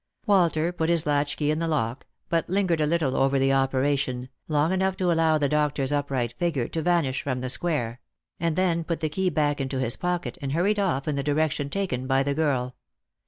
Walter put his latch key in the lock, but lingered a little over the opera tion, long enough to allow the doctor's upright figure to vanish from the square — and then put the key back into his pocket and hurried off in the direction taken by the girl.